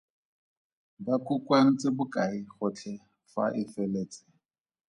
Ba kokoantse bokae gotlhe fa e feletse?